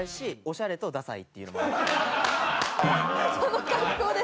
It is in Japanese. その格好で。